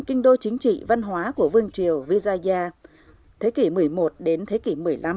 kinh đô chính trị văn hóa của vương triều visaya thế kỷ một mươi một đến thế kỷ một mươi năm